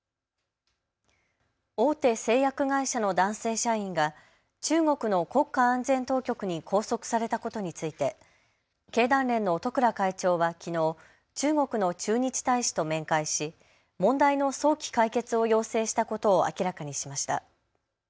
大手製薬会社の男性社員が中国の国家安全当局に拘束されたことについて経団連の十倉会長はきのう中国の駐日大使と面会し問題の早期解決を要請したことを明らかにしました。